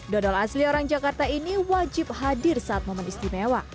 dodol asli orang jakarta ini wajib hadir saat momen istimewa